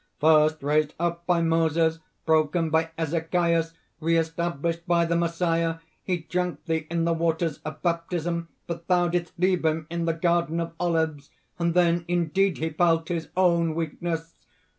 "First raised up by Moses, broken by Ezechias, re established by the Messiah. He drank thee in the waters of baptism; but thou didst leave him in the Garden of Olives; and then indeed he felt his own weakness!